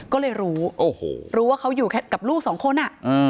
ก็เลยรู้รู้ว่าเขาอยู่แค่กับลูก๒คน